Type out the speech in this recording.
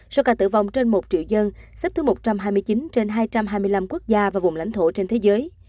xếp thứ một trăm hai mươi chín trên hai trăm hai mươi năm quốc gia và vùng lãnh thổ trên thế giới